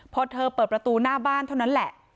พอเธอเปิดประตูหน้าบ้านเท่านั้นแหละ